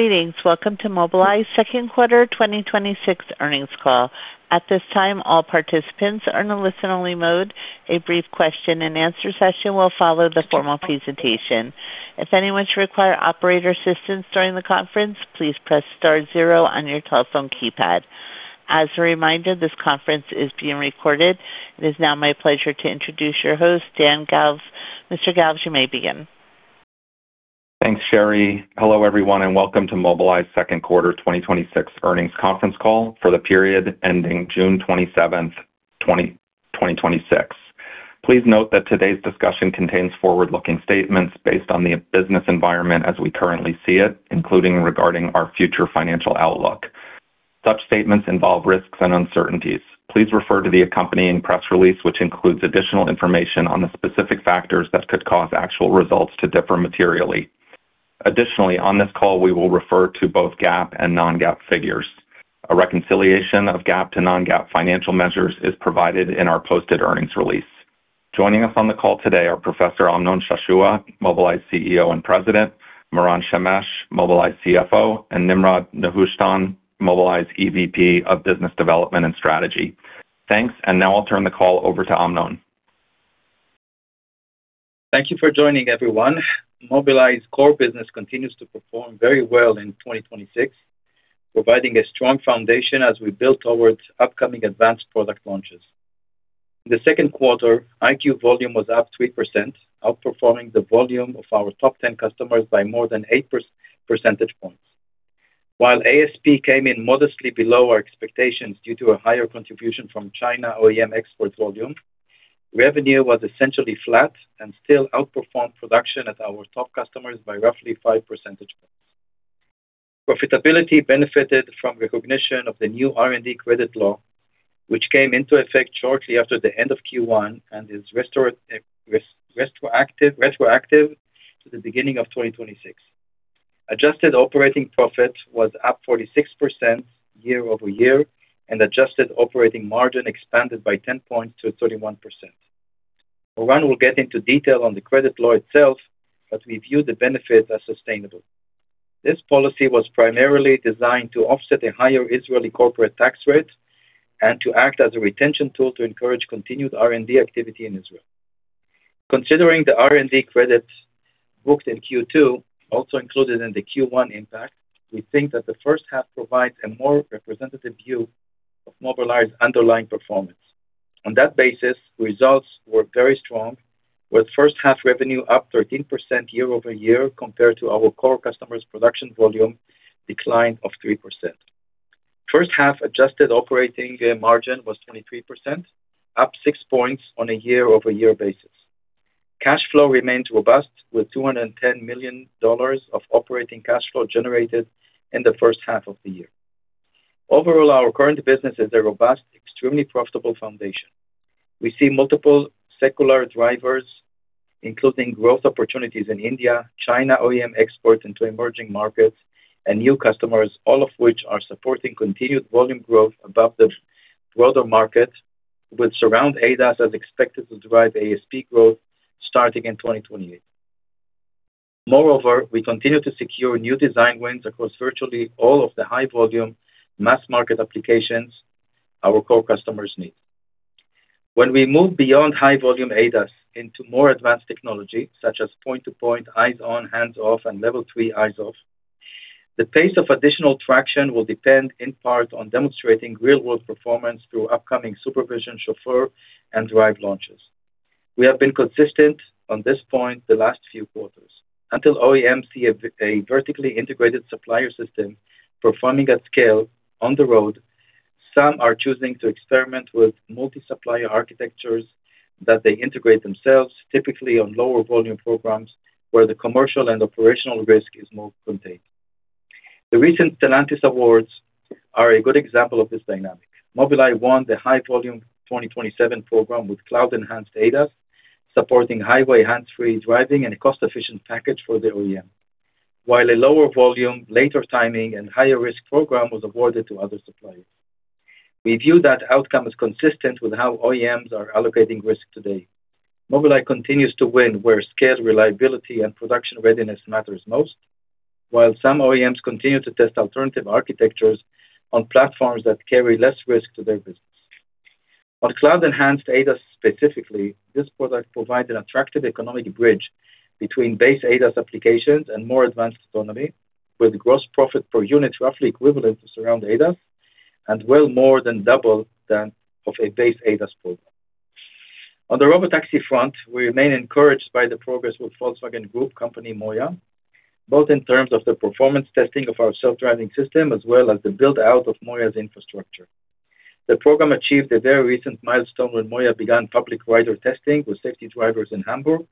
Greetings. Welcome to Mobileye's Second Quarter 2026 Earnings Call. At this time, all participants are in a listen-only mode. A brief question and answer session will follow the formal presentation. If anyone should require operator assistance during the conference, please press star zero on your telephone keypad. As a reminder, this conference is being recorded. It is now my pleasure to introduce your host, Dan Galves. Mr. Galves, you may begin. Thanks, Sherry. Hello, everyone, and welcome to Mobileye's Second Quarter 2026 Earnings Conference Call for the period ending June 27th, 2026. Please note that today's discussion contains forward-looking statements based on the business environment as we currently see it, including regarding our future financial outlook. Such statements involve risks and uncertainties. Please refer to the accompanying press release, which includes additional information on the specific factors that could cause actual results to differ materially. Additionally, on this call, we will refer to both GAAP and non-GAAP figures. A reconciliation of GAAP to non-GAAP financial measures is provided in our posted earnings release. Joining us on the call today are Professor Amnon Shashua, Mobileye's Chief Executive Officer and President, Moran Shemesh, Mobileye's Chief Financial Officer, and Nimrod Nehushtan, Mobileye's Executive Vice President of Business Development and Strategy. Now I'll turn the call over to Amnon. Thank you for joining, everyone. Mobileye's core business continues to perform very well in 2026, providing a strong foundation as we build towards upcoming advanced product launches. In the second quarter, EyeQ volume was up 3%, outperforming the volume of our top 10 customers by more than eight percentage points. While ASP came in modestly below our expectations due to a higher contribution from China OEM export volume, revenue was essentially flat and still outperformed production at our top customers by roughly five percentage points. Profitability benefited from recognition of the new R&D credit law, which came into effect shortly after the end of Q1 and is retroactive to the beginning of 2026. Adjusted operating profit was up 46% year-over-year, and adjusted operating margin expanded by 10 points to 31%. Moran will get into detail on the credit law itself, but we view the benefit as sustainable. This policy was primarily designed to offset a higher Israeli corporate tax rate and to act as a retention tool to encourage continued R&D activity in Israel. Considering the R&D credits booked in Q2, also included in the Q1 impact, we think that the first half provides a more representative view of Mobileye's underlying performance. On that basis, results were very strong, with first half revenue up 13% year-over-year compared to our core customers' production volume decline of 3%. First half adjusted operating margin was 23%, up six points on a year-over-year basis. Cash flow remains robust with $210 million of operating cash flow generated in the first half of the year. Overall, our current business is a robust, extremely profitable foundation. We see multiple secular drivers, including growth opportunities in India, China OEM exports into emerging markets, and new customers, all of which are supporting continued volume growth above the broader market, with Surround ADAS as expected to drive ASP growth starting in 2028. Moreover, we continue to secure new design wins across virtually all of the high volume mass market applications our core customers need. When we move beyond high volume ADAS into more advanced technology, such as point-to-point, eyes on, hands off, and level three eyes off, the pace of additional traction will depend in part on demonstrating real-world performance through upcoming SuperVision, Chauffeur, and Drive launches. We have been consistent on this point the last few quarters. Until OEM see a vertically integrated supplier system performing at scale on the road, some are choosing to experiment with multi-supplier architectures that they integrate themselves, typically on lower volume programs where the commercial and operational risk is more contained. The recent Stellantis awards are a good example of this dynamic. Mobileye won the high volume 2027 program with Cloud-Enhanced ADAS, supporting highway hands-free driving and a cost-efficient package for the OEM. While a lower volume, later timing, and higher risk program was awarded to other suppliers. We view that outcome as consistent with how OEMs are allocating risk today. Mobileye continues to win where scale, reliability, and production readiness matters most, while some OEMs continue to test alternative architectures on platforms that carry less risk to their business. On Cloud-Enhanced ADAS specifically, this product provides an attractive economic bridge between base ADAS applications and more advanced autonomy, with gross profit per unit roughly equivalent to Surround ADAS and well more than double than of a base ADAS program. On the robotaxi front, we remain encouraged by the progress with Volkswagen Group company, MOIA, both in terms of the performance testing of our self-driving system as well as the build-out of MOIA's infrastructure. The program achieved a very recent milestone when MOIA began public rider testing with safety drivers in Hamburg,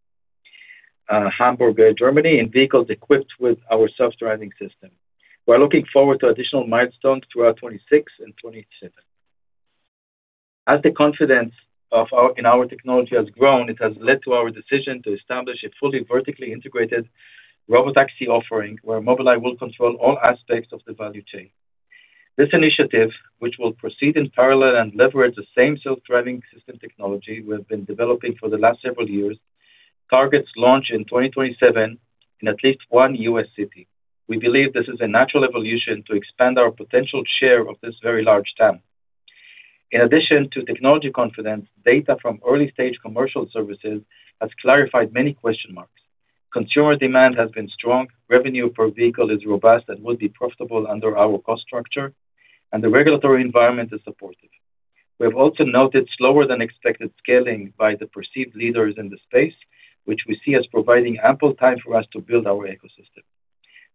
Germany, and vehicles equipped with our self-driving system. We are looking forward to additional milestones throughout 2026 and 2027. As the confidence in our technology has grown, it has led to our decision to establish a fully vertically integrated robotaxi offering where Mobileye will control all aspects of the value chain. This initiative, which will proceed in parallel and leverage the same self-driving system technology we have been developing for the last several years, targets launch in 2027 in at least one U.S. city. We believe this is a natural evolution to expand our potential share of this very large TAM. In addition to technology confidence, data from early-stage commercial services has clarified many question marks. Consumer demand has been strong, revenue per vehicle is robust and will be profitable under our cost structure, and the regulatory environment is supportive. We have also noted slower than expected scaling by the perceived leaders in the space, which we see as providing ample time for us to build our ecosystem.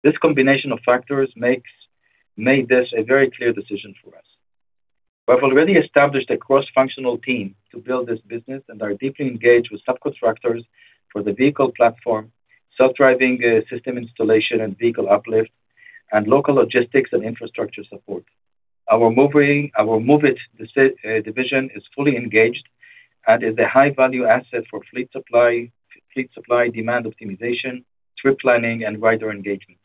This combination of factors made this a very clear decision for us. We have already established a cross-functional team to build this business and are deeply engaged with subcontractors for the vehicle platform, self-driving system installation, and vehicle uplift, and local logistics and infrastructure support. Our Moovit division is fully engaged and is a high-value asset for fleet supply, demand optimization, trip planning, and rider engagement.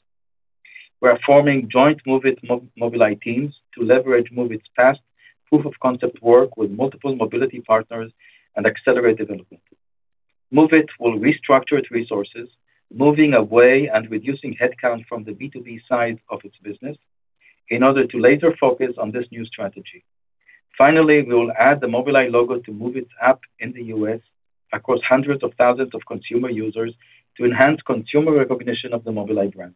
We are forming joint Moovit-Mobileye teams to leverage Moovit's past proof of concept work with multiple mobility partners and accelerate development. Moovit will restructure its resources, moving away and reducing headcount from the B2B side of its business in order to later focus on this new strategy. Finally, we will add the Mobileye logo to Moovit's app in the U.S. across hundreds of thousands of consumer users to enhance consumer recognition of the Mobileye brand.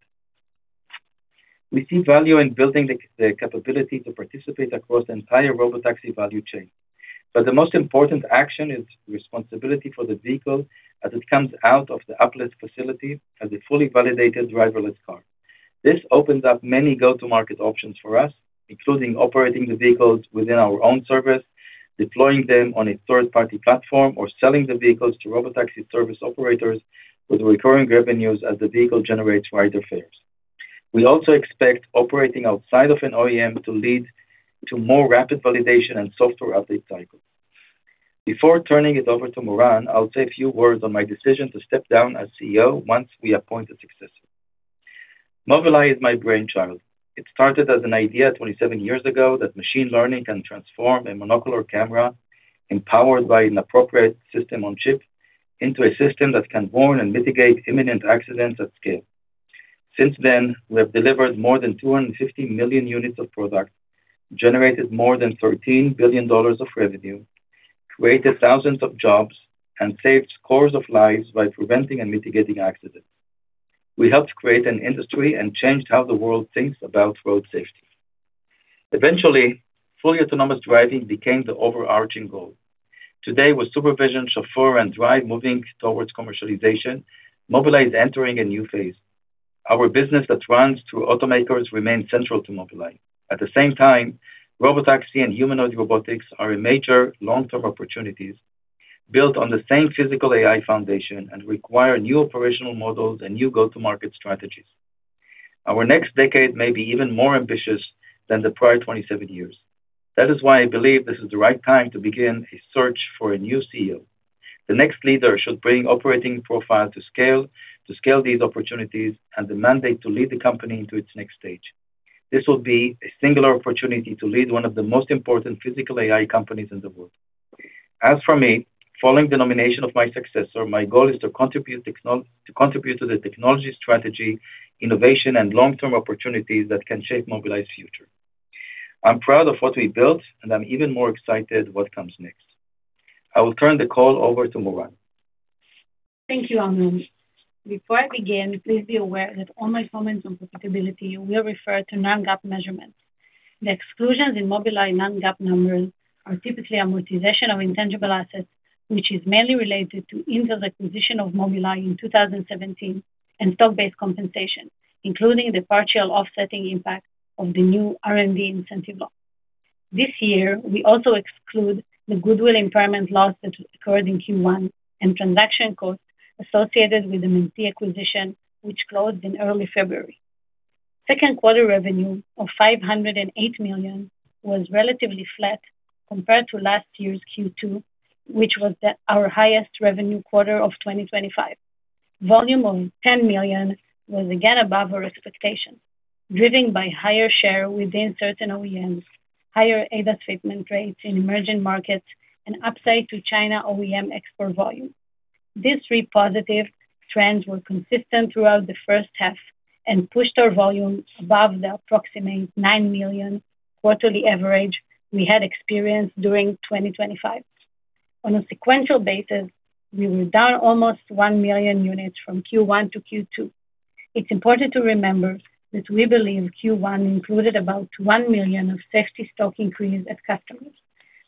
We see value in building the capability to participate across the entire robotaxi value chain. The most important action is responsibility for the vehicle as it comes out of the uplift facility as a fully validated driverless car. This opens up many go-to-market options for us, including operating the vehicles within our own service, deploying them on a third-party platform, or selling the vehicles to robotaxi service operators with recurring revenues as the vehicle generates rider fares. We also expect operating outside of an OEM to lead to more rapid validation and software update cycles. Before turning it over to Moran, I'll say a few words on my decision to step down as Chief Executive Officer once we appoint a successor. Mobileye is my brainchild. It started as an idea 27 years ago that machine learning can transform a monocular camera empowered by an appropriate system on chip into a system that can warn and mitigate imminent accidents at scale. Since then, we have delivered more than 250 million units of product, generated more than $13 billion of revenue, created thousands of jobs, and saved scores of lives by preventing and mitigating accidents. We helped create an industry and changed how the world thinks about road safety. Eventually, fully autonomous driving became the overarching goal. Today, with SuperVision, Chauffeur, and Drive moving towards commercialization, Mobileye is entering a new phase. Our business that runs through automakers remains central to Mobileye. At the same time, robotaxi and humanoid robotics are a major long-term opportunities built on the same physical AI foundation and require new operational models and new go-to-market strategies. Our next decade may be even more ambitious than the prior 27 years. That is why I believe this is the right time to begin a search for a new Chief Executive Officer. The next leader should bring operating profile to scale these opportunities and the mandate to lead the company into its next stage. This will be a singular opportunity to lead one of the most important physical AI companies in the world. As for me, following the nomination of my successor, my goal is to contribute to the technology strategy, innovation, and long-term opportunities that can shape Mobileye's future. I'm proud of what we built, and I'm even more excited what comes next. I will turn the call over to Moran. Thank you, Amnon. Before I begin, please be aware that all my comments on profitability will refer to non-GAAP measurements. The exclusions in Mobileye non-GAAP numbers are typically amortization of intangible assets, which is mainly related to Intel's acquisition of Mobileye in 2017, and stock-based compensation, including the partial offsetting impact of the new R&D incentive law. This year, we also exclude the goodwill impairment loss that occurred in Q1 and transaction costs associated with the Mentee acquisition, which closed in early February. Second quarter revenue of $508 million was relatively flat compared to last year's Q2, which was our highest revenue quarter of 2025. Volume of 10 million units was again above our expectation, driven by higher share within certain OEMs, higher ADAS fitment rates in emerging markets, and upside to China OEM export volume. These three positive trends were consistent throughout the first half and pushed our volume above the approximate nine million units quarterly average we had experienced during 2025. On a sequential basis, we were down almost one million units from Q1 to Q2. It's important to remember that we believe Q1 included about one million units of safety stock increase at customers.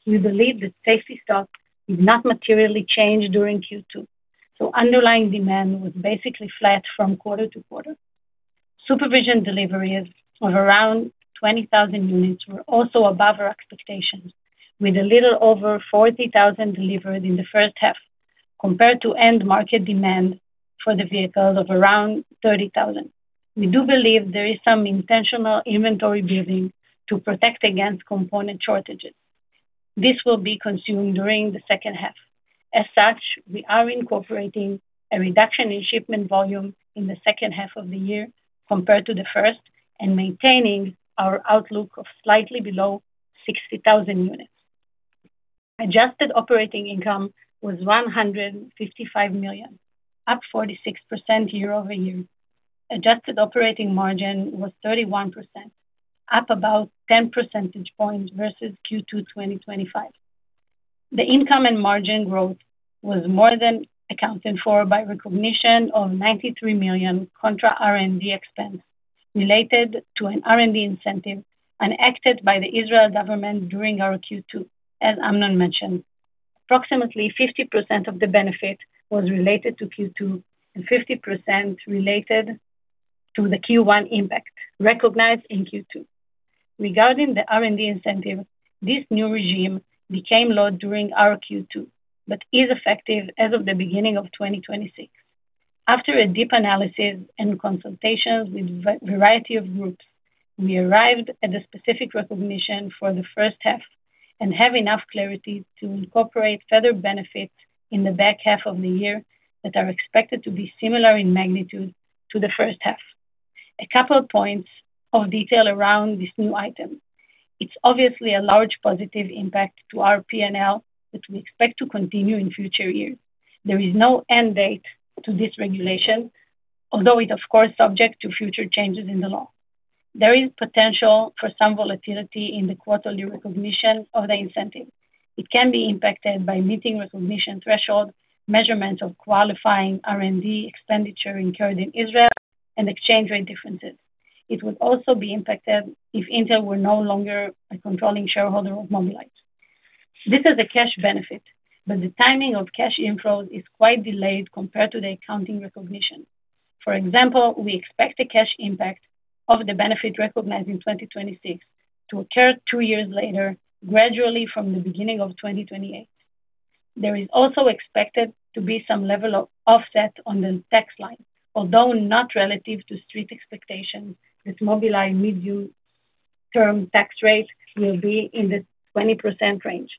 We believe that safety stock did not materially change during Q2, so underlying demand was basically flat from quarter to quarter. SuperVision deliveries of around 20,000 units were also above our expectations, with a little over 40,000 units delivered in the first half, compared to end market demand for the vehicle of around 30,000 units. We do believe there is some intentional inventory building to protect against component shortages. This will be consumed during the second half. As such, we are incorporating a reduction in shipment volume in the second half of the year compared to the first, and maintaining our outlook of slightly below 60,000 units. Adjusted operating income was $155 million, up 46% year-over-year. Adjusted operating margin was 31%, up about 10 percentage points versus Q2 2025. The income and margin growth was more than accounted for by recognition of $93 million contra R&D expense related to an R&D incentive enacted by the Israel government during our Q2 as Amnon mentioned. Approximately 50% of the benefit was related to Q2, and 50% related to the Q1 impact recognized in Q2. Regarding the R&D incentive, this new regime became law during our Q2, but is effective as of the beginning of 2026. After a deep analysis and consultations with variety of groups, we arrived at a specific recognition for the first half and have enough clarity to incorporate further benefits in the back half of the year that are expected to be similar in magnitude to the first half. A couple of points of detail around this new item. It's obviously a large positive impact to our P&L, which we expect to continue in future years. There is no end date to this regulation, although it's of course subject to future changes in the law. There is potential for some volatility in the quarterly recognition of the incentive. It can be impacted by meeting recognition threshold, measurement of qualifying R&D expenditure incurred in Israel, and exchange rate differences. It would also be impacted if Intel were no longer a controlling shareholder of Mobileye. This is a cash benefit, the timing of cash inflows is quite delayed compared to the accounting recognition. For example, we expect the cash impact of the benefit recognized in 2026 to occur two years later, gradually from the beginning of 2028. There is also expected to be some level of offset on the tax line, although not relative to street expectations, with Mobileye mid-term tax rate will be in the 20% range.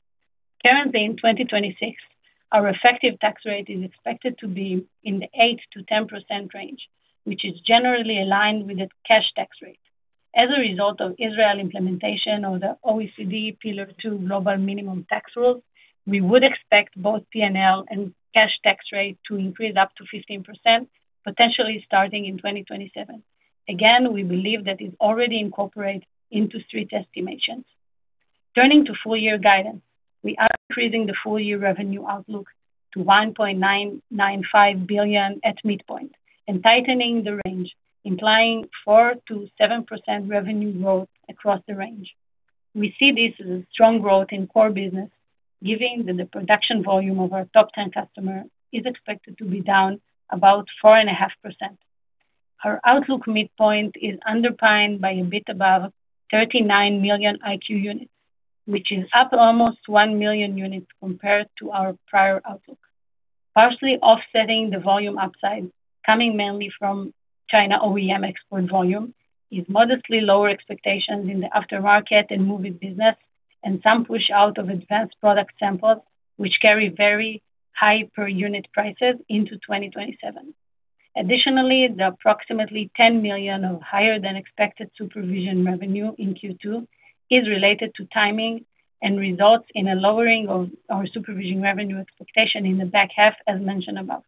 Currently, in 2026, our effective tax rate is expected to be in the 8%-10% range, which is generally aligned with the cash tax rate. As a result of Israel implementation of the OECD Pillar Two global minimum tax rules, we would expect both P&L and cash tax rate to increase up to 15%, potentially starting in 2027. We believe that it already incorporates into street estimations. Turning to full-year guidance, we are increasing the full-year revenue outlook to $1.995 billion at midpoint and tightening the range, implying 4%-7% revenue growth across the range. We see this as a strong growth in core business, given that the production volume of our top 10 customer is expected to be down about 4.5%. Our outlook midpoint is underpinned by a bit above 39 million EyeQ units, which is up almost one million units compared to our prior outlook. Partially offsetting the volume upside, coming mainly from China OEM export volume, is modestly lower expectations in the aftermarket and Moovit business, and some push out of advanced product samples, which carry very high per-unit prices into 2027. The approximately 10 million of higher-than-expected SuperVision revenue in Q2 is related to timing and results in a lowering of our SuperVision revenue expectation in the back half, as mentioned above.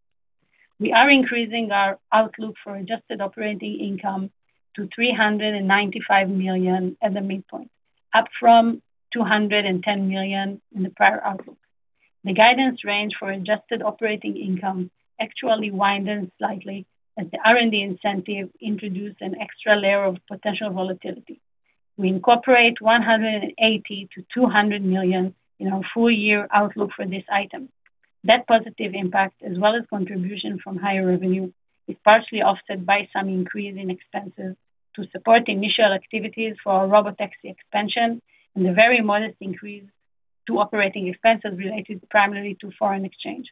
We are increasing our outlook for adjusted operating income to $395 million at the midpoint, up from $210 million in the prior outlook. The guidance range for adjusted operating income actually widened slightly as the R&D incentive introduced an extra layer of potential volatility. We incorporate $180 million-$200 million in our full-year outlook for this item. That positive impact, as well as contribution from higher revenue, is partially offset by some increase in expenses to support the initial activities for our robotaxi expansion and a very modest increase to operating expenses related primarily to foreign exchange.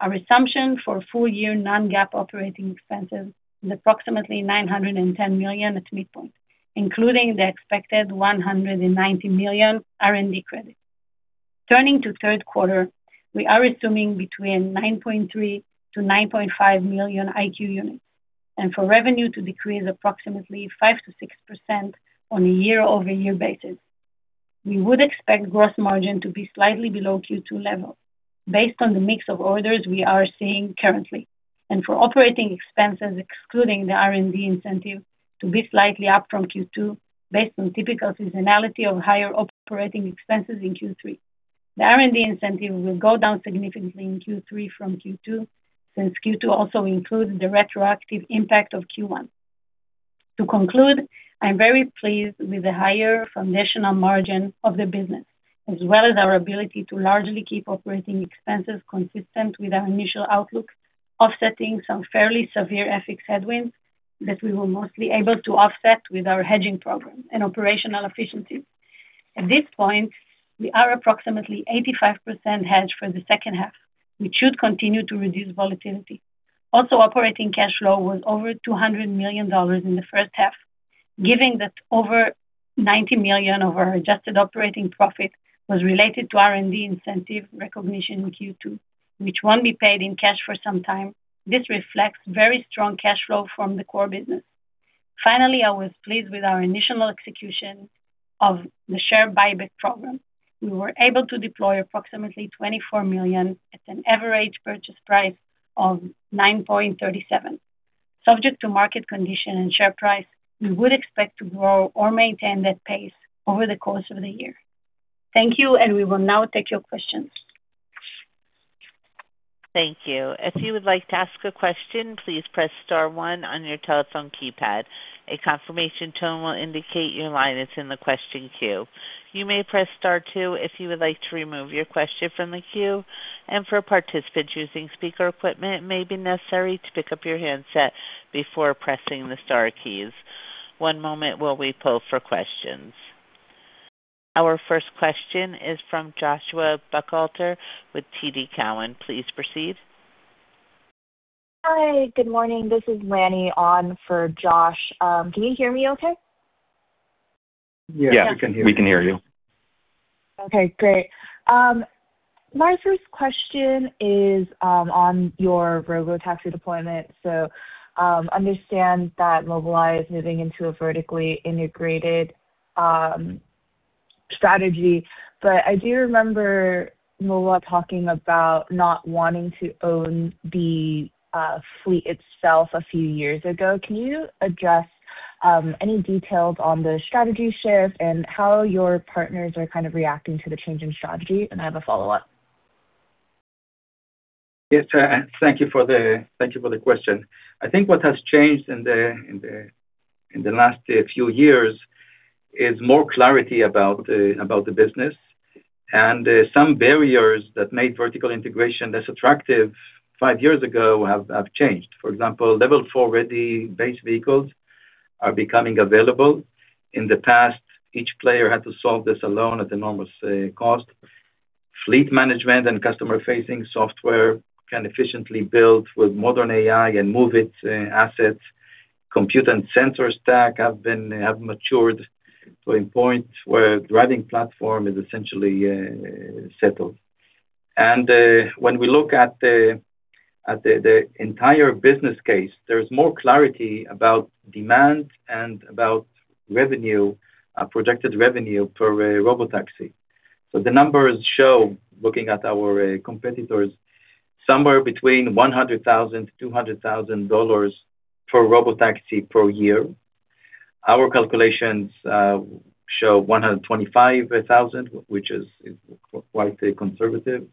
Our assumption for full-year non-GAAP operating expenses is approximately $910 million at midpoint, including the expected $190 million R&D credit. Turning to third quarter, we are assuming between 9.3 million-9.5 million EyeQ units, and for revenue to decrease approximately 5%-6% on a year-over-year basis. We would expect gross margin to be slightly below Q2 levels based on the mix of orders we are seeing currently. For operating expenses, excluding the R&D incentive, to be slightly up from Q2, based on typical seasonality of higher operating expenses in Q3. The R&D incentive will go down significantly in Q3 from Q2, since Q2 also includes the retroactive impact of Q1. To conclude, I'm very pleased with the higher foundational margin of the business, as well as our ability to largely keep operating expenses consistent with our initial outlook, offsetting some fairly severe FX headwinds that we were mostly able to offset with our hedging program and operational efficiencies. At this point, we are approximately 85% hedged for the second half, which should continue to reduce volatility. Also, operating cash flow was over $200 million in the first half. Given that over $90 million of our adjusted operating profit was related to R&D incentive recognition in Q2, which won't be paid in cash for some time, this reflects very strong cash flow from the core business. Finally, I was pleased with our initial execution of the share buyback program. We were able to deploy approximately $24 million at an average purchase price of $9.37. Subject to market condition and share price, we would expect to grow or maintain that pace over the course of the year. Thank you. We will now take your questions. Thank you. If you would like to ask a question, please press star one on your telephone keypad. A confirmation tone will indicate your line is in the question queue. You may press star two if you would like to remove your question from the queue, and for participants using speaker equipment, it may be necessary to pick up your handset before pressing the star keys. One moment while we poll for questions. Our first question is from Joshua Buchalter with TD Cowen. Please proceed. Hi. Good morning. This is Lanny on for Josh. Can you hear me okay? Yes, we can hear you. Okay, great. My first question is on your robotaxi deployment. Understand that Mobileye is moving into a vertically integrated strategy, but I do remember Mobileye talking about not wanting to own the fleet itself a few years ago. Can you address any details on the strategy shift and how your partners are kind of reacting to the change in strategy? I have a follow-up. Yes. Thank you for the question. I think what has changed in the last few years is more clarity about the business, some barriers that made vertical integration less attractive five years ago have changed. For example, level four-ready base vehicles are becoming available. In the past, each player had to solve this alone at enormous cost. Fleet management and customer-facing software can efficiently build with modern AI and move its assets. Compute and sensor stack have matured to a point where driving platform is essentially settled. When we look at the entire business case, there's more clarity about demand and about projected revenue for a robotaxi. The numbers show, looking at our competitors, somewhere between $100,000-$200,000 per robotaxi per year. Our calculations show $125,000, which is quite conservative.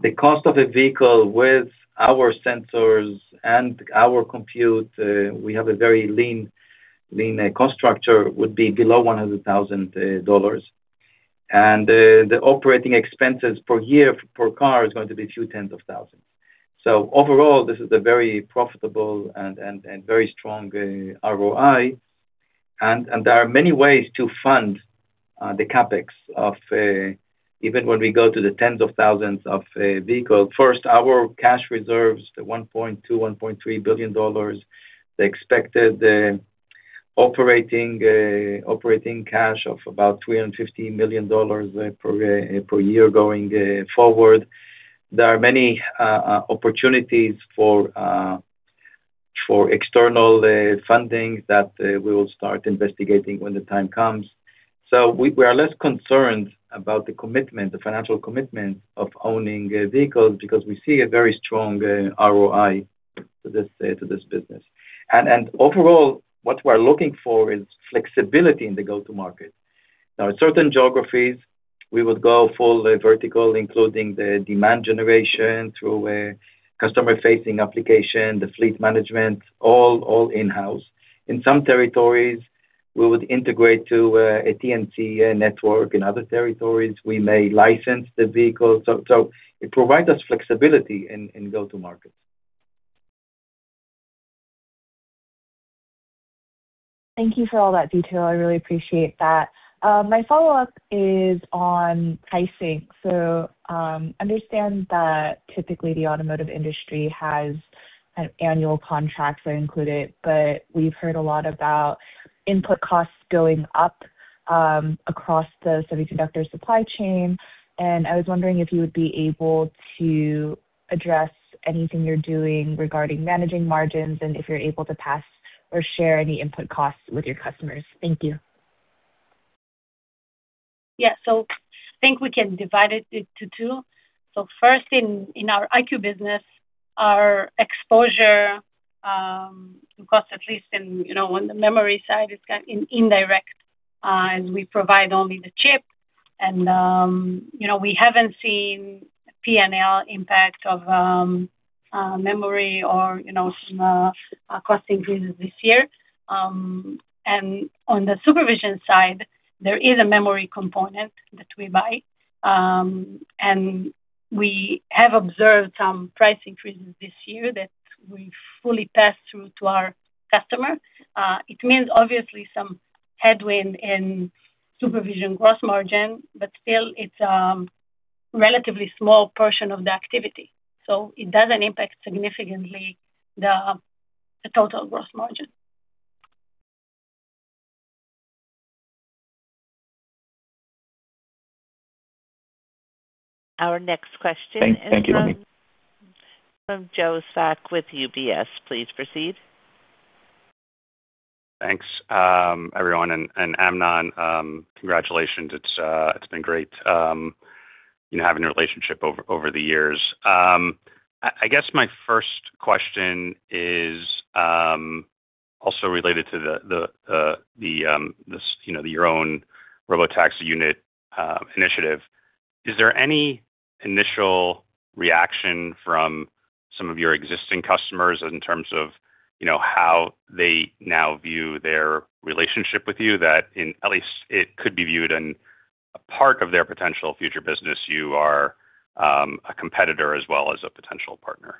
The cost of a vehicle with our sensors and our compute, we have a very lean cost structure, would be below $100,000. The operating expenses per year per car is going to be a few tens of thousands. Overall, this is a very profitable and very strong ROI. There are many ways to fund the CapEx of even when we go to the tens of thousands of vehicles. First, our cash reserves, the $1.2 billion-$1.3 billion, the expected operating cash of about $350 million per year going forward. There are many opportunities for external funding that we will start investigating when the time comes. We are less concerned about the financial commitment of owning vehicles because we see a very strong ROI to this business. Overall, what we're looking for is flexibility in the go-to-market. Now, certain geographies, we would go full vertical, including the demand generation through a customer-facing application, the fleet management, all in-house. In some territories, we would integrate to a TNC network. In other territories, we may license the vehicle. It provides us flexibility in go-to-market. Thank you for all that detail. I really appreciate that. My follow-up is on pricing. Understand that typically the automotive industry has an annual contracts that include it, but we've heard a lot about input costs going up across the semiconductor supply chain, and I was wondering if you would be able to address anything you're doing regarding managing margins and if you're able to pass or share any input costs with your customers. Thank you. I think we can divide it into two. First, in our EyeQ business, our exposure to cost, at least on the memory side, is kind of indirect as we provide only the chip. We haven't seen P&L impact of memory or some cost increases this year. On the SuperVision side, there is a memory component that we buy. We have observed some price increases this year that we fully passed through to our customer. It means obviously some headwind in SuperVision gross margin, but still it's a relatively small portion of the activity, so it doesn't impact significantly the total gross margin. Thank you, Lanny. Our next question is from Joe Spak with UBS. Please proceed. Thanks, everyone, and Amnon, congratulations. It's been great having a relationship over the years. I guess my first question is also related to your own robotaxi unit initiative. Is there any initial reaction from some of your existing customers in terms of how they now view their relationship with you that in, at least, it could be viewed in a part of their potential future business you are a competitor as well as a potential partner?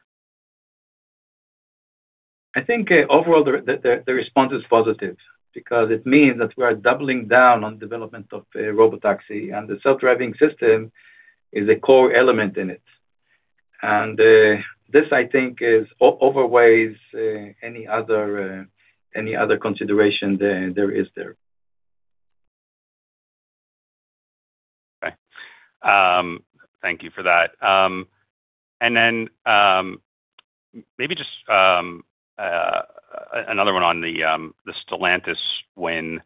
I think overall the response is positive because it means that we are doubling down on development of robotaxi and the self-driving system is a core element in it. This, I think overweighs, any other consideration there is there. Okay. Thank you for that. Then, maybe just another one on the Stellantis win.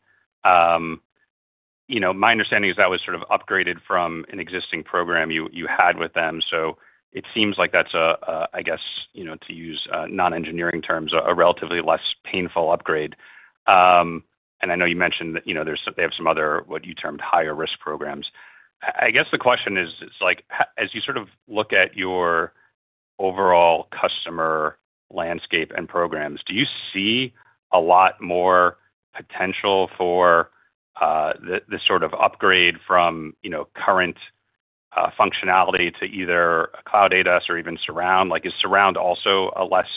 My understanding is that was sort of upgraded from an existing program you had with them, so it seems like that's a, I guess, to use non-engineering terms, a relatively less painful upgrade. I know you mentioned that they have some other, what you termed higher risk programs. I guess the question is like, as you sort of look at your overall customer landscape and programs, do you see a lot more potential for this sort of upgrade from current functionality to either a Cloud ADAS or even Surround? Is Surround also a less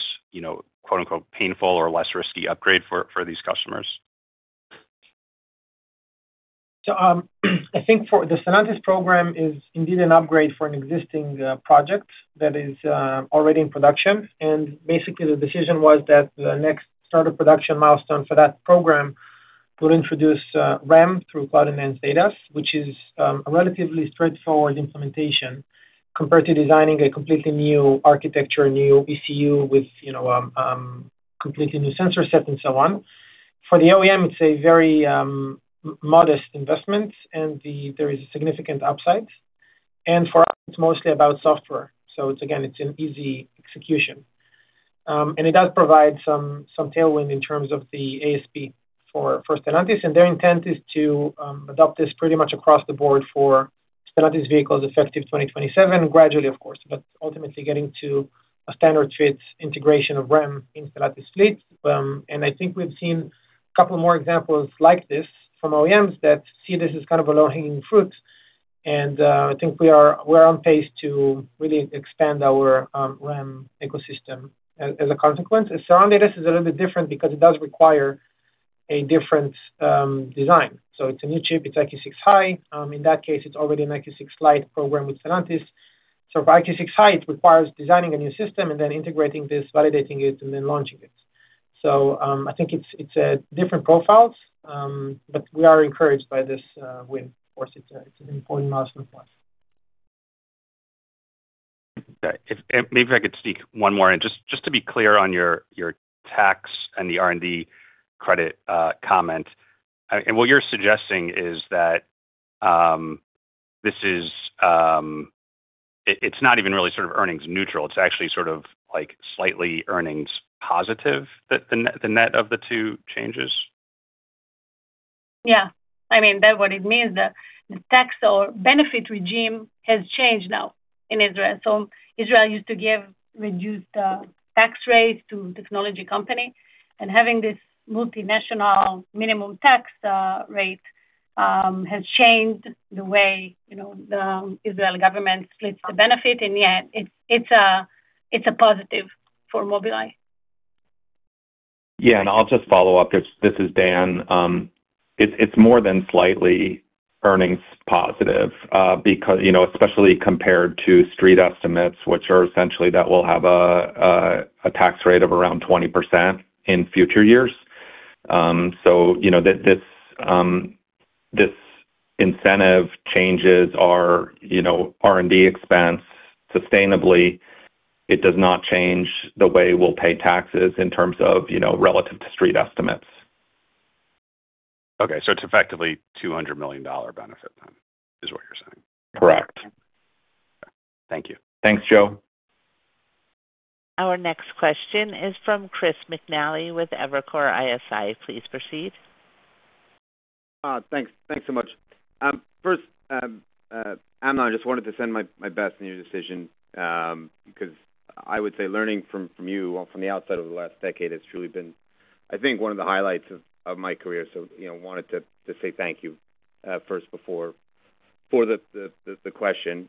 "painful" or less risky upgrade for these customers? I think the Stellantis program is indeed an upgrade for an existing project that is already in production. Basically, the decision was that the next start of production milestone for that program will introduce REM through Cloud-Enhanced ADAS, which is a relatively straightforward implementation compared to designing a completely new architecture, new ECU with completely new sensor set and so on. For the OEM, it's a very modest investment and there is significant upside. For us, it's mostly about software. It's again, it's an easy execution. It does provide some tailwind in terms of the ASP for Stellantis. Their intent is to adopt this pretty much across the board for Stellantis vehicles effective 2027 gradually of course, but ultimately getting to a standard fit integration of REM in Stellantis fleet. I think we've seen a couple more examples like this from OEMs that see this as kind of a low-hanging fruit. I think we're on pace to really expand our REM ecosystem as a consequence. Surround ADAS is a little bit different because it does require a different design. It's a new chip, it's EyeQ6 High. In that case, it's already an EyeQ6 Lite program with Stellantis. EyeQ6 High, it requires designing a new system and then integrating this, validating it, and then launching it. I think it's different profiles, but we are encouraged by this win. Of course, it's an important milestone for us. Okay. If maybe I could sneak one more in. Just to be clear on your tax and the R&D credit comment. What you're suggesting is that, it's not even really sort of earnings neutral, it's actually sort of like slightly earnings positive, the net of the two changes? Yeah. I mean that what it means, the tax or benefit regime has changed now in Israel. Israel used to give reduced tax rates to technology company, having this multinational minimum tax rate has changed the way the Israeli government splits the benefit, yet it's a positive for Mobileye. Yeah, I'll just follow up. This is Dan. It's more than slightly earnings positive. Especially compared to street estimates, which are essentially that we'll have a tax rate of around 20% in future years. This incentive changes our R&D expense sustainably. It does not change the way we'll pay taxes in terms of relative to street estimates. Okay. It's effectively $200 million benefit then, is what you're saying? Correct. Thank you. Thanks, Joe. Our next question is from Chris McNally with Evercore ISI. Please proceed. Thanks so much. First, Amnon, I just wanted to send my best in your decision, because I would say learning from you from the outside over the last decade has truly been, I think, one of the highlights of my career. Wanted to say thank you first before the question.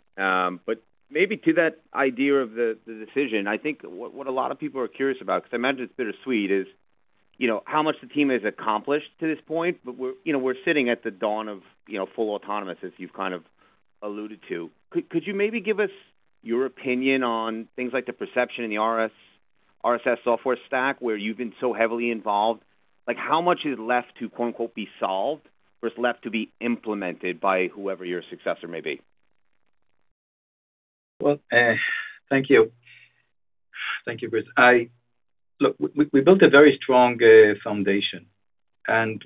Maybe to that idea of the decision, I think what a lot of people are curious about, because I imagine it's bittersweet, is how much the team has accomplished to this point, but we're sitting at the dawn of full autonomous, as you've kind of alluded to. Could you maybe give us your opinion on things like the perception in the RSS software stack, where you've been so heavily involved? How much is left to "be solved," or is left to be implemented by whoever your successor may be? Well, thank you. Thank you, Chris. Look, we built a very strong foundation,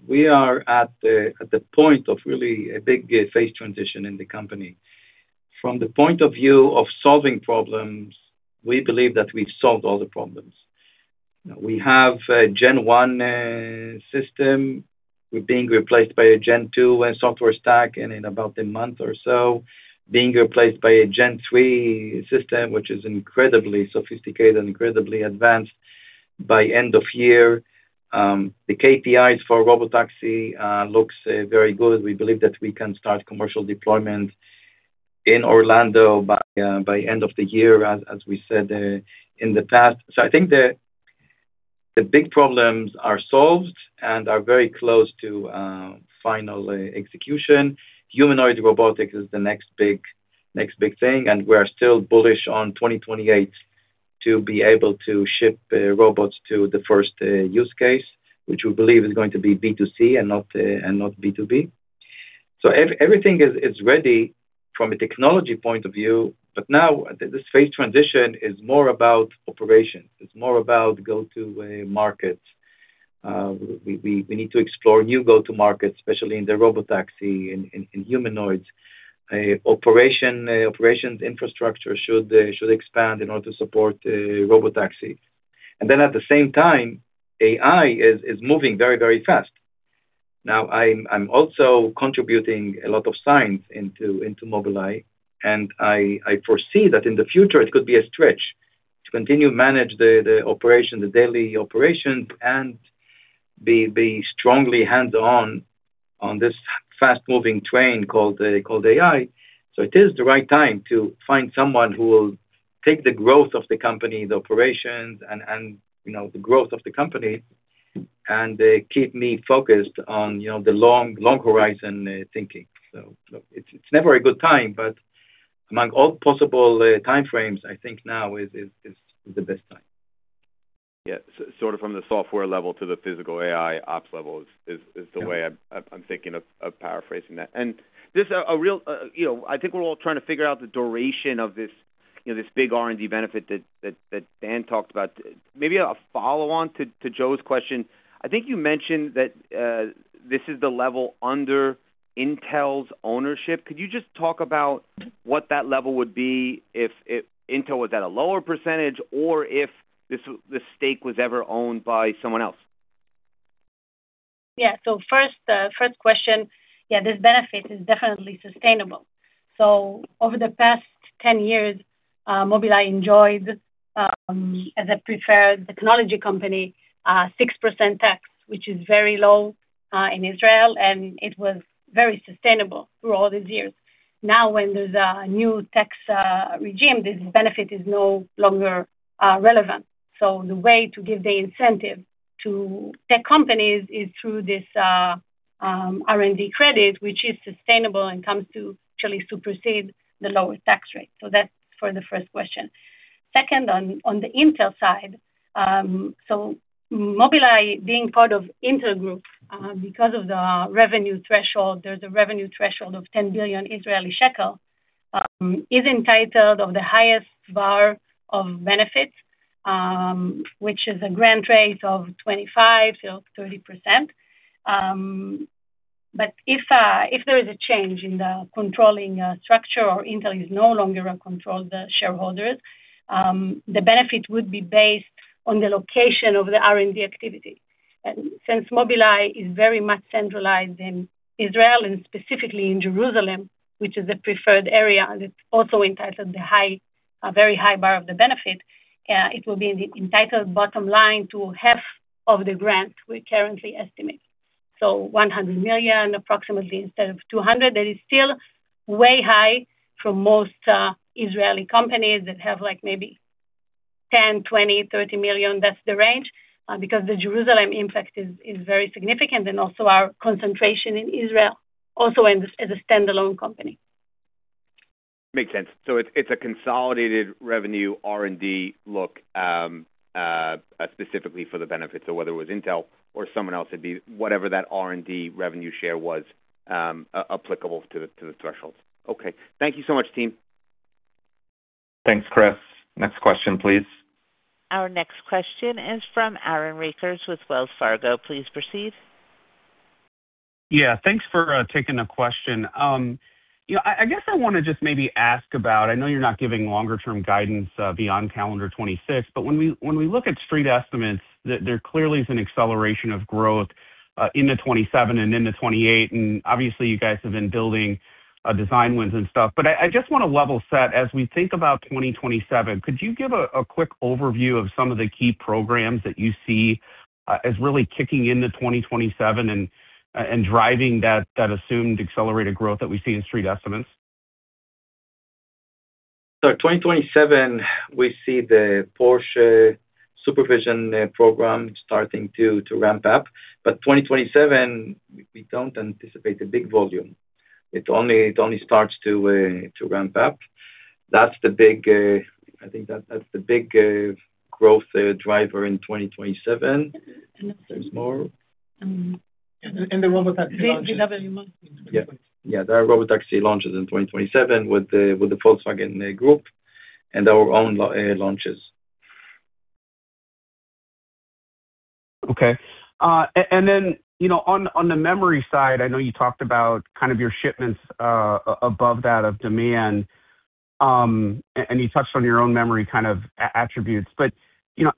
we are at the point of really a big phase transition in the company. From the point of view of solving problems, we believe that we've solved all the problems. We have a Gen 1 system. We're being replaced by a Gen 2 software stack, in about a month or so, being replaced by a Gen 3 system, which is incredibly sophisticated and incredibly advanced by end of year. The KPIs for Robotaxi looks very good. We believe that we can start commercial deployment in Orlando by end of the year, as we said in the past. I think the big problems are solved and are very close to final execution. Humanoid robotics is the next big thing, we are still bullish on 2028 to be able to ship robots to the first use case, which we believe is going to be B2C and not B2B. Everything is ready from a technology point of view, but now, this phase transition is more about operations. It's more about go-to market. We need to explore new go-to markets, especially in the Robotaxi, in humanoids. Operations infrastructure should expand in order to support Robotaxi. At the same time, AI is moving very, very fast. Now, I'm also contributing a lot of science into Mobileye, I foresee that in the future, it could be a stretch to continue manage the daily operations and be strongly hands-on on this fast-moving train called AI. It is the right time to find someone who will take the growth of the company, the operations, and the growth of the company, and keep me focused on the long horizon thinking. Look, it's never a good time, but among all possible time frames, I think now is the best time. Yeah. Sort of from the software level to the physical AI ops level. The way I'm thinking of paraphrasing that. I think we're all trying to figure out the duration of this big R&D benefit that Dan talked about. Maybe a follow-on to Joe's question. I think you mentioned that this is the level under Intel's ownership. Could you just talk about what that level would be if Intel was at a lower percentage or if the stake was ever owned by someone else? Yeah. First question, yeah, this benefit is definitely sustainable. Over the past 10 years, Mobileye enjoyed, as a preferred technology company, a 6% tax, which is very low in Israel, and it was very sustainable through all these years. Now, when there's a new tax regime, this benefit is no longer relevant. The way to give the incentive to tech companies is through this R&D credit, which is sustainable and comes to actually supersede the lower tax rate. That's for the first question. Second, on the Intel side. Mobileye, being part of Intel group, because of the revenue threshold, there's a revenue threshold of 10 billion Israeli shekel, is entitled of the highest bar of benefits, which is a grant rate of 25%-30%. If there is a change in the controlling structure or Intel is no longer a controlled shareholder, the benefit would be based on the location of the R&D activity. Since Mobileye is very much centralized in Israel and specifically in Jerusalem, which is a preferred area that's also entitled the very high bar of the benefit, it will be entitled bottom line to half of the grant we currently estimate. $100 million approximately instead of $200 million. That is still way high for most Israeli companies that have maybe $10 million, $20 million, $30 million. That's the range. The Jerusalem impact is very significant and also our concentration in Israel, also as a standalone company. Makes sense. It's a consolidated revenue R&D look specifically for the benefits, whether it was Intel or someone else, it'd be whatever that R&D revenue share was applicable to the thresholds. Okay. Thank you so much, team. Thanks, Chris. Next question please. Our next question is from Aaron Rakers with Wells Fargo. Please proceed. Yeah. Thanks for taking the question. I guess I want to just maybe ask about, I know you're not giving longer term guidance beyond calendar 2026. When we look at Street estimates, there clearly is an acceleration of growth into 2027 and into 2028. Obviously you guys have been building design wins and stuff. I just want to level set as we think about 2027, could you give a quick overview of some of the key programs that you see as really kicking into 2027 and driving that assumed accelerated growth that we see in Street estimates? 2027, we see the Porsche SuperVision program starting to ramp up. 2027, we don't anticipate a big volume. It only starts to ramp up. I think that's the big growth driver in 2027. There's more. The Mobileye Robotaxi launches. The Volkswagen launches. Yeah. There are Robotaxi launches in 2027 with the Volkswagen Group and our own launches. Okay. On the memory side, I know you talked about your shipments above that of demand, and you touched on your own memory kind of attributes.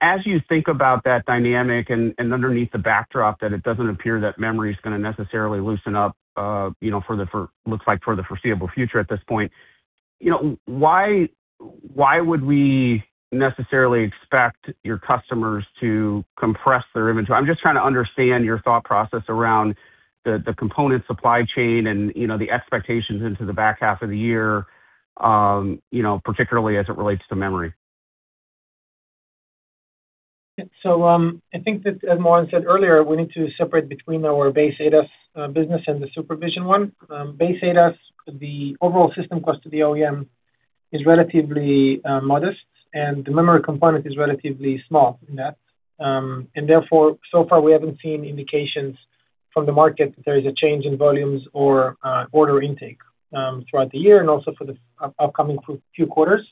As you think about that dynamic and underneath the backdrop that it doesn't appear that memory is going to necessarily loosen up looks like for the foreseeable future at this point, why would we necessarily expect your customers to compress their inventory? I'm just trying to understand your thought process around the component supply chain and the expectations into the back half of the year, particularly as it relates to memory. I think that as Moran said earlier, we need to separate between our base ADAS business and the SuperVision one. Base ADAS, the overall system cost to the OEM is relatively modest, and the memory component is relatively small in that. Therefore, so far, we haven't seen indications from the market that there is a change in volumes or order intake throughout the year, and also for the upcoming few quarters.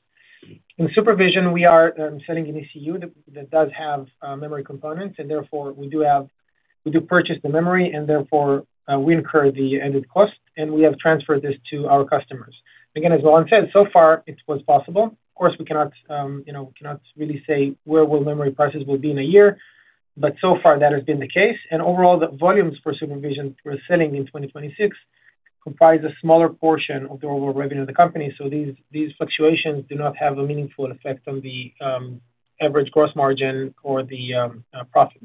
In SuperVision, we are selling an ECU that does have memory components, and therefore we do purchase the memory, and therefore we incur the added cost, and we have transferred this to our customers. Again, as Moran said, so far, it was possible. Of course, we cannot really say where will memory prices will be in a year. So far, that has been the case. Overall, the volumes for SuperVision we're selling in 2026 comprise a smaller portion of the overall revenue of the company. These fluctuations do not have a meaningful effect on the average gross margin or the profit.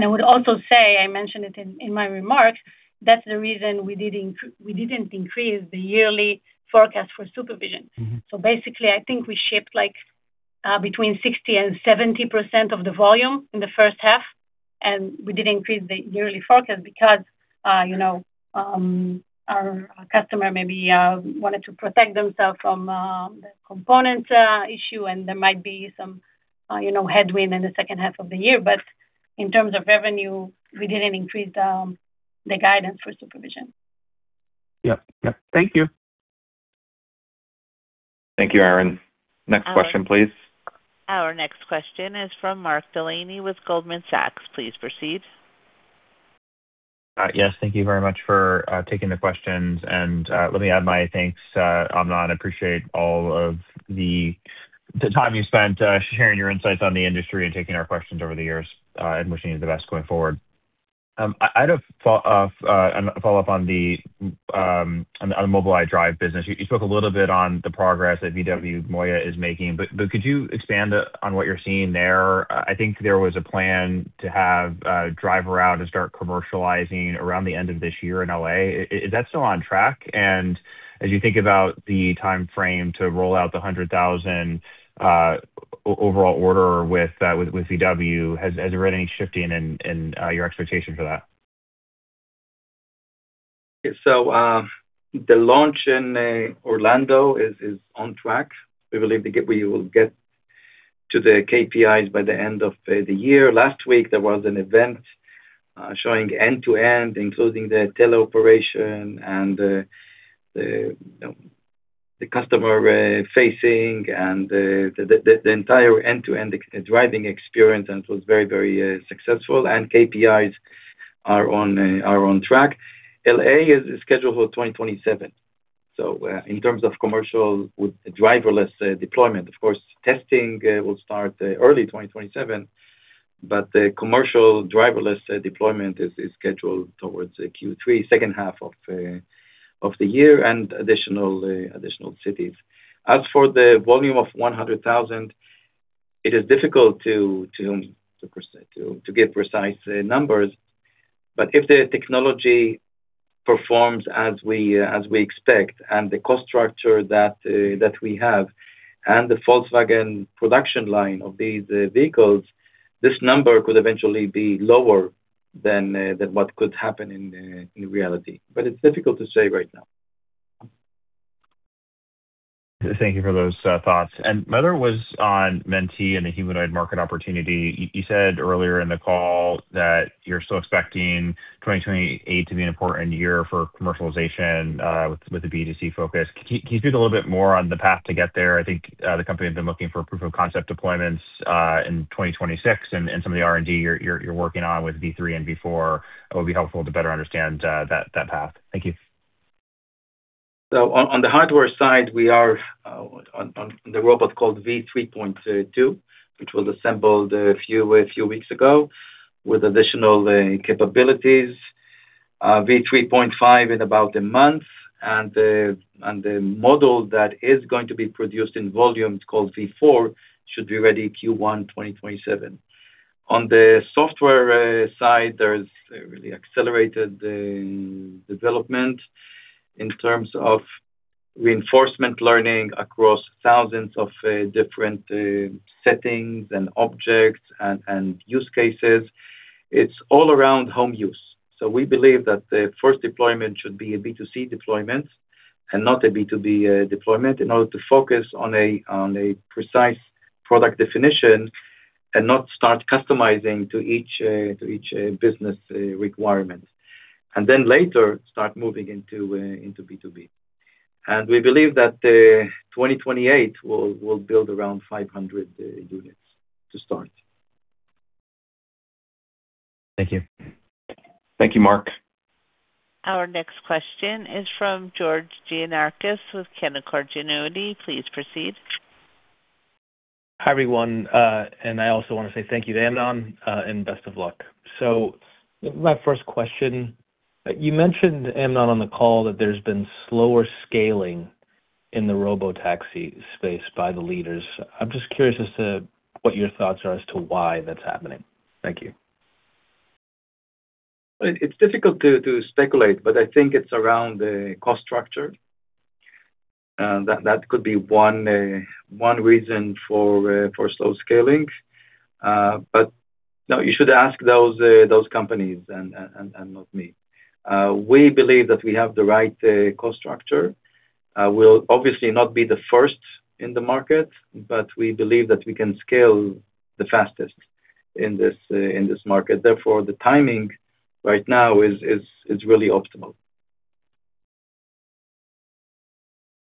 I would also say, I mentioned it in my remarks, that's the reason we didn't increase the yearly forecast for SuperVision. Basically, I think we shipped between 60% and 70% of the volume in the first half. We didn't increase the yearly forecast because our customer maybe wanted to protect themselves from the component issue. There might be some headwind in the second half of the year. In terms of revenue, we didn't increase the guidance for SuperVision. Yep. Thank you. Thank you, Aaron. Next question, please. Our next question is from Mark Delaney with Goldman Sachs. Please proceed. Yes, thank you very much for taking the questions. Let me add my thanks, Amnon. I appreciate all of the time you spent sharing your insights on the industry and taking our questions over the years, and wishing you the best going forward. I had a follow-up on the Mobileye Drive business. You spoke a little bit on the progress that VW MOIA is making. Could you expand on what you're seeing there? I think there was a plan to have a driver out and start commercializing around the end of this year in L.A. Is that still on track? As you think about the timeframe to roll out the 100,000 overall order with VW, has there been any shifting in your expectation for that? The launch in Orlando is on track. We believe we will get to the KPIs by the end of the year. Last week, there was an event showing end-to-end, including the teleoperation and the customer-facing, and the entire end-to-end driving experience. It was very successful. KPIs are on track. L.A. is scheduled for 2027. In terms of commercial driverless deployment, of course, testing will start early 2027. The commercial driverless deployment is scheduled towards Q3, second half of the year and additional cities. As for the volume of 100,000, it is difficult to give precise numbers. If the technology performs as we expect and the cost structure that we have, and the Volkswagen production line of these vehicles, this number could eventually be lower than what could happen in reality. It's difficult to say right now. Thank you for those thoughts. My other was on Mentee and the humanoid market opportunity. You said earlier in the call that you're still expecting 2028 to be an important year for commercialization with the B2C focus. Can you speak a little bit more on the path to get there? I think the company had been looking for proof of concept deployments in 2026 and some of the R&D you're working on with V3 and V4. It would be helpful to better understand that path. Thank you. On the hardware side, we are on the robot called MenteeBot V3.2, which was assembled a few weeks ago with additional capabilities. V3.5 in about a month. The model that is going to be produced in volume, it's called V4, should be ready Q1 2027. On the software side, there's a really accelerated development in terms of reinforcement learning across thousands of different settings and objects and use cases. It's all around home use. We believe that the first deployment should be a B2C deployment and not a B2B deployment in order to focus on a precise product definition and not start customizing to each business requirement. Then later, start moving into B2B. We believe that 2028, we'll build around 500 units to start. Thank you. Thank you, Mark. Our next question is from George Gianarikas with Canaccord Genuity. Please proceed. Hi, everyone. I also want to say thank you to Amnon and best of luck. My first question, you mentioned, Amnon, on the call that there's been slower scaling in the robotaxi space by the leaders. I'm just curious as to what your thoughts are as to why that's happening. Thank you. It's difficult to speculate, I think it's around the cost structure. That could be one reason for slow scaling. No, you should ask those companies and not me. We believe that we have the right cost structure. We'll obviously not be the first in the market, but we believe that we can scale the fastest in this market. Therefore, the timing right now is really optimal.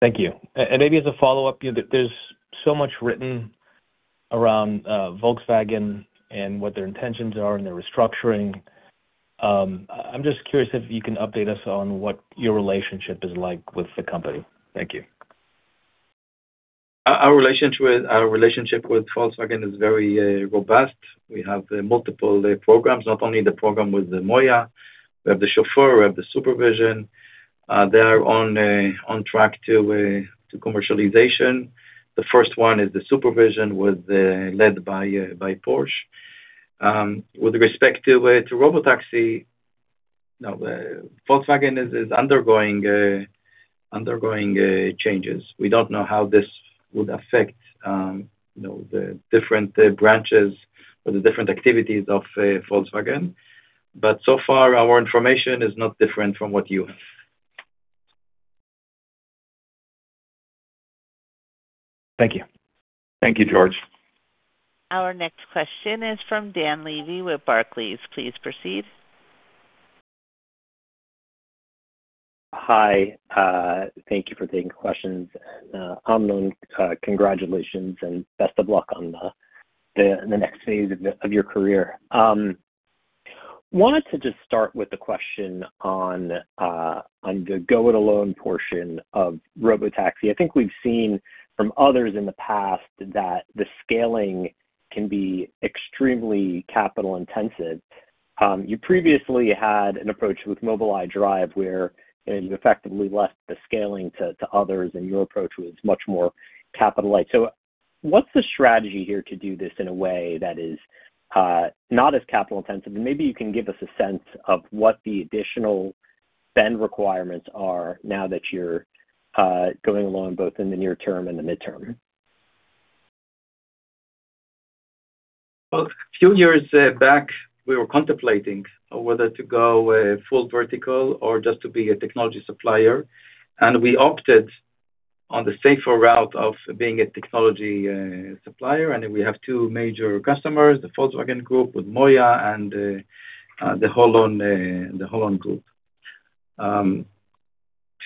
Thank you. Maybe as a follow-up, there's so much written around Volkswagen and what their intentions are and their restructuring. I'm just curious if you can update us on what your relationship is like with the company. Thank you. Our relationship with Volkswagen is very robust. We have multiple programs, not only the program with the MOIA, we have the Chauffeur, we have the SuperVision. They are on track to commercialization. The first one is the SuperVision led by Porsche. With respect to robotaxi, Volkswagen is undergoing changes. We don't know how this would affect the different branches or the different activities of Volkswagen. So far, our information is not different from what you have. Thank you. Thank you, George. Our next question is from Dan Levy with Barclays. Please proceed. Hi. Thank you for taking questions. Amnon, congratulations and best of luck on the next phase of your career. Wanted to just start with a question on the go-it-alone portion of robotaxi. I think we've seen from others in the past that the scaling can be extremely capital intensive. You previously had an approach with Mobileye Drive, where you effectively left the scaling to others, and your approach was much more capital light. What's the strategy here to do this in a way that is not as capital intensive? Maybe you can give us a sense of what the additional spend requirements are now that you're going alone, both in the near term and the midterm. Well, a few years back, we were contemplating whether to go full vertical or just to be a technology supplier, and we opted on the safer route of being a technology supplier. We have two major customers, the Volkswagen Group with MOIA, and the HOLON Group.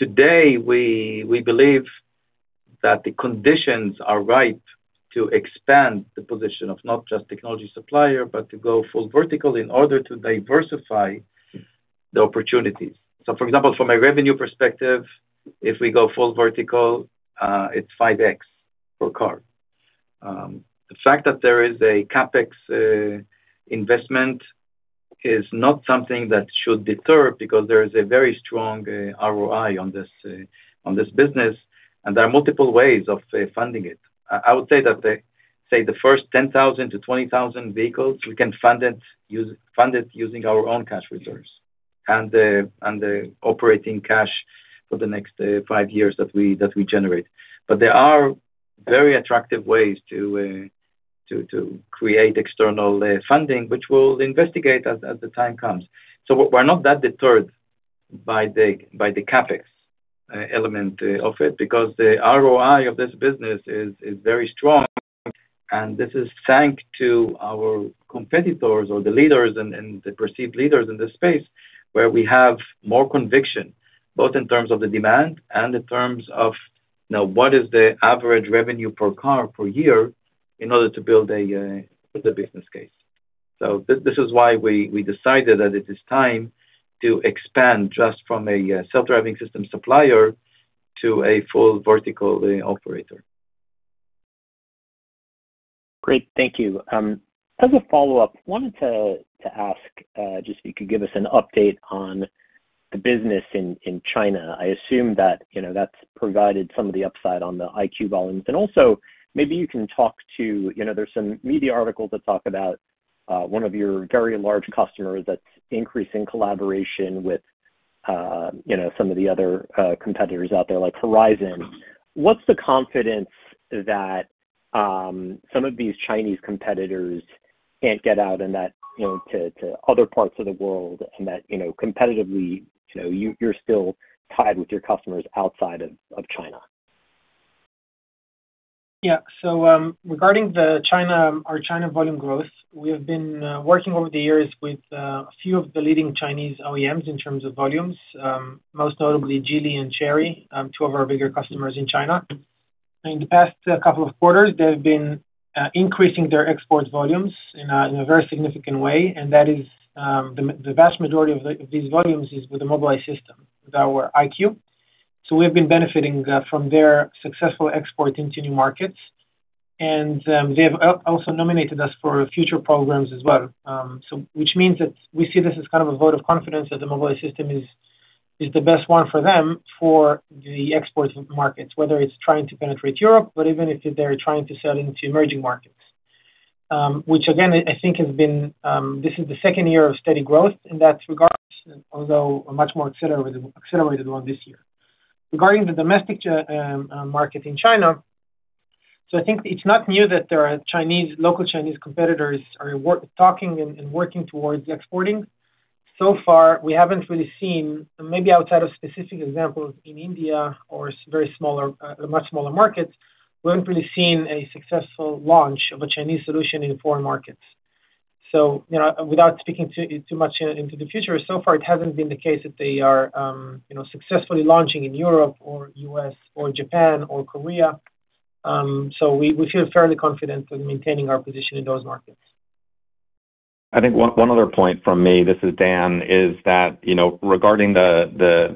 Today, we believe that the conditions are right to expand the position of not just technology supplier, but to go full vertical in order to diversify the opportunities. For example, from a revenue perspective, if we go full vertical, it's 5x per car. The fact that there is a CapEx investment is not something that should deter because there is a very strong ROI on this business, and there are multiple ways of funding it. I would say that the first 10,000-20,000 vehicles, we can fund it using our own cash reserves and the operating cash for the next five years that we generate. There are very attractive ways to create external funding, which we'll investigate as the time comes. We're not that deterred by the CapEx element of it because the ROI of this business is very strong, and this is thanks to our competitors or the leaders and the perceived leaders in this space, where we have more conviction, both in terms of the demand and in terms of what is the average revenue per car per year in order to build the business case. This is why we decided that it is time to expand just from a self-driving system supplier to a full vertical operator. Great. Thank you. As a follow-up, wanted to ask just if you could give us an update on the business in China, I assume that's provided some of the upside on the EyeQ volumes. Also maybe you can talk to, there's some media articles that talk about one of your very large customers that's increasing collaboration with some of the other competitors out there, like Horizon. What's the confidence that some of these Chinese competitors can't get out and that to other parts of the world and that competitively you're still tied with your customers outside of China? Regarding our China volume growth, we have been working over the years with a few of the leading Chinese OEMs in terms of volumes. Most notably Geely and Chery, two of our bigger customers in China. In the past couple of quarters, they've been increasing their export volumes in a very significant way, and that is the vast majority of these volumes is with the Mobileye system, with our EyeQ. We have been benefiting from their successful export into new markets, and they have also nominated us for future programs as well. Which means that we see this as kind of a vote of confidence that the Mobileye system is the best one for them for the export markets, whether it's trying to penetrate Europe, but even if they're trying to sell into emerging markets. Which again, I think this is the second year of steady growth in that regard, although a much more accelerated one this year. Regarding the domestic market in China, I think it's not new that there are local Chinese competitors are talking and working towards exporting. So far, we haven't really seen, maybe outside of specific examples in India or much smaller markets, we haven't really seen a successful launch of a Chinese solution in foreign markets. Without speaking too much into the future, so far, it hasn't been the case that they are successfully launching in Europe or U.S. or Japan or Korea. We feel fairly confident in maintaining our position in those markets. I think one other point from me, this is Dan, is that regarding the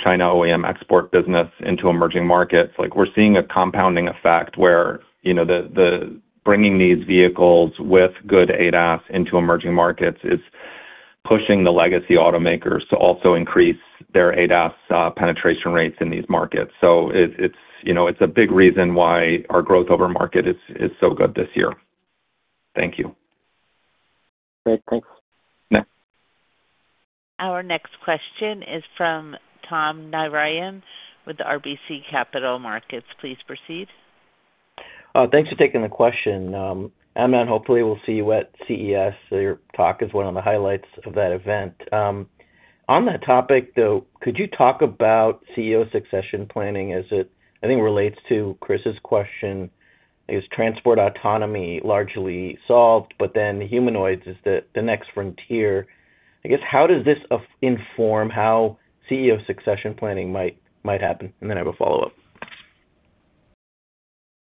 China OEM export business into emerging markets, we're seeing a compounding effect where the bringing these vehicles with good ADAS into emerging markets is pushing the legacy automakers to also increase their ADAS penetration rates in these markets. It's a big reason why our growth over market is so good this year. Thank you. Great. Thanks. Yeah. Our next question is from Tom Narayan with RBC Capital Markets. Please proceed. Thanks for taking the question. Amnon, hopefully we'll see you at CES. Your talk is one of the highlights of that event. On that topic, though, could you talk about Chief Executive Officer succession planning as it, I think, relates to Chris's question, is transport autonomy largely solved, but then humanoids is the next frontier? I guess, how does this inform how Chief Executive Officer succession planning might happen? I have a follow-up. Well,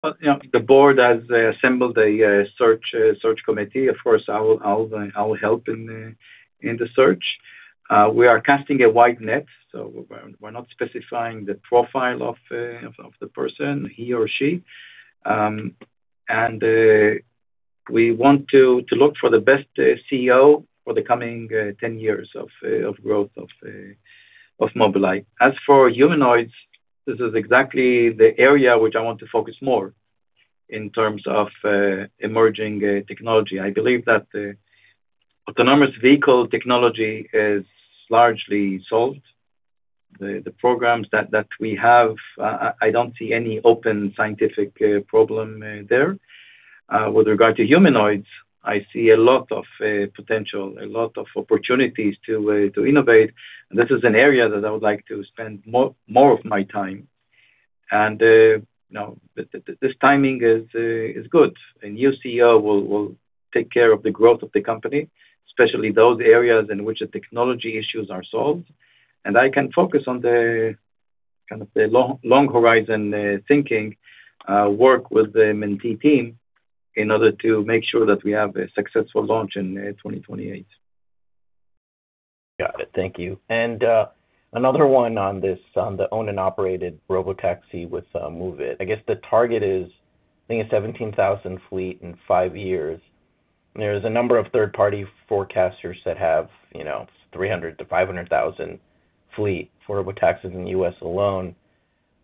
the board has assembled a search committee. Of course, I'll help in the search. We are casting a wide net, so we're not specifying the profile of the person, he or she. We want to look for the best Chief Executive Officer for the coming 10 years of growth of Mobileye. As for humanoids, this is exactly the area which I want to focus more in terms of emerging technology. I believe that autonomous vehicle technology is largely solved. The programs that we have, I don't see any open scientific problem there. With regard to humanoids, I see a lot of potential, a lot of opportunities to innovate, and this is an area that I would like to spend more of my time. This timing is good. A new Chief Executive Officer will take care of the growth of the company, especially those areas in which the technology issues are solved. I can focus on the long horizon thinking, work with the Mentee team in order to make sure that we have a successful launch in 2028. Got it. Thank you. Another one on this, on the owned and operated robotaxi with Moovit. I guess the target is, I think, a 17,000 fleet in five years. There's a number of third-party forecasters that have 300,00-500,000 fleet for robotaxis in the U.S. alone.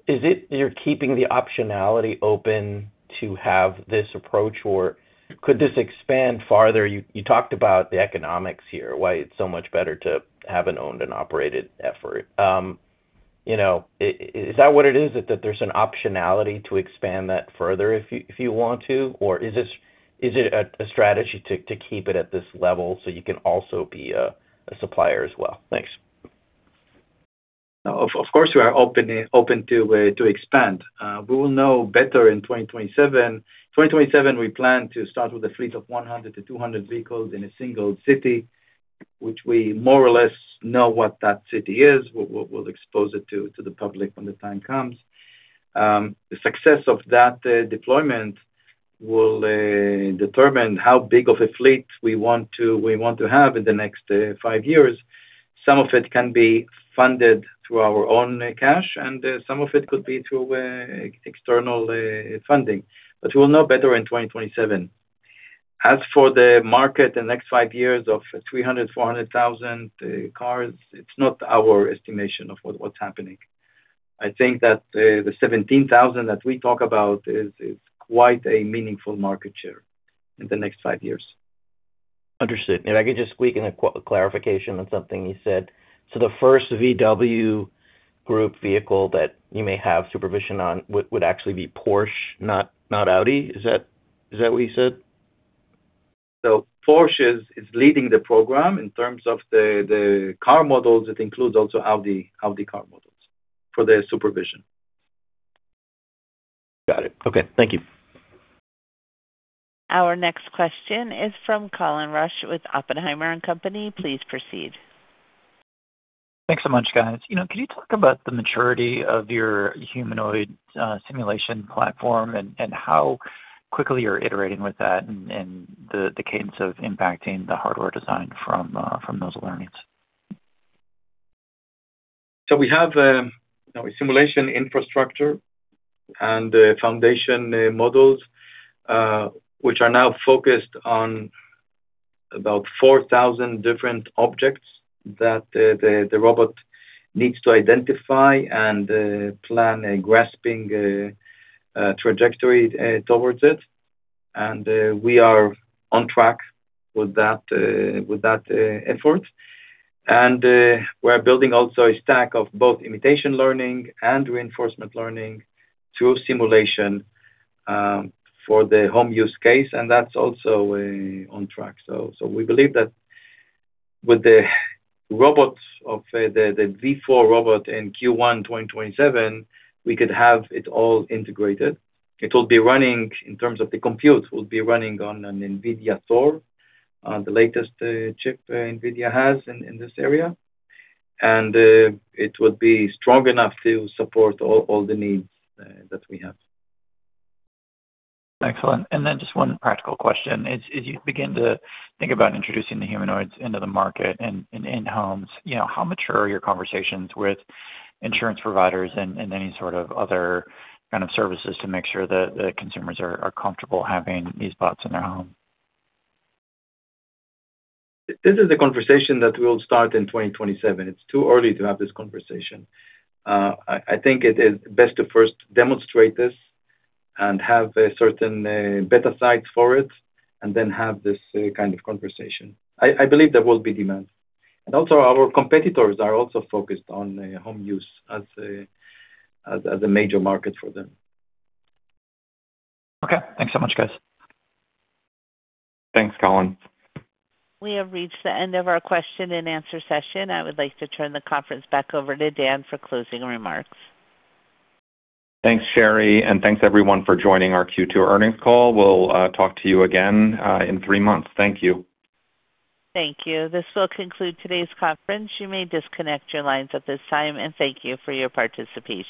Is it you're keeping the optionality open to have this approach, or could this expand farther? You talked about the economics here, why it's so much better to have an owned and operated effort. Is that what it is? That there's an optionality to expand that further if you want to? Or is it a strategy to keep it at this level so you can also be a supplier as well? Thanks. Of course, we are open to expand. We will know better in 2027. 2027, we plan to start with a fleet of 100-200 vehicles in a single city, which we more or less know what that city is. We'll expose it to the public when the time comes. The success of that deployment will determine how big of a fleet we want to have in the next five years. Some of it can be funded through our own cash, and some of it could be through external funding. We'll know better in 2027. As for the market, the next five years of 300,000, 400,000 cars, it's not our estimation of what's happening. I think that the 17,000 that we talk about is quite a meaningful market share in the next five years. Understood. If I could just squeak in a clarification on something you said. The first VW Group vehicle that you may have SuperVision on would actually be Porsche, not Audi? Is that what you said? Porsche is leading the program in terms of the car models. It includes also Audi car models for the SuperVision. Got it. Okay. Thank you. Our next question is from Colin Rusch with Oppenheimer & Co. Please proceed. Thanks so much, guys. Can you talk about the maturity of your humanoid simulation platform and how quickly you're iterating with that and the cadence of impacting the hardware design from those learnings? We have a simulation infrastructure and foundation models, which are now focused on about 4,000 different objects that the robot needs to identify and plan a grasping trajectory towards it. We are on track with that effort. We're building also a stack of both imitation learning and reinforcement learning through simulation for the home use case, and that's also on track. We believe that with the V4 robot in Q1 2027, we could have it all integrated. In terms of the compute, it will be running on an NVIDIA Thor, the latest chip NVIDIA has in this area. It would be strong enough to support all the needs that we have. Excellent. Then just one practical question. As you begin to think about introducing the humanoids into the market and in homes, how mature are your conversations with insurance providers and any sort of other kind of services to make sure that the consumers are comfortable having these bots in their home? This is a conversation that we'll start in 2027. It's too early to have this conversation. I think it is best to first demonstrate this and have a certain beta site for it and then have this kind of conversation. I believe there will be demand. Also, our competitors are also focused on home use as a major market for them. Okay. Thanks so much, guys. Thanks, Colin. We have reached the end of our question and answer session. I would like to turn the conference back over to Dan for closing remarks. Thanks, Sherry, and thanks everyone for joining our Q2 earnings call. We'll talk to you again in three months. Thank you. Thank you. This will conclude today's conference. You may disconnect your lines at this time, and thank you for your participation.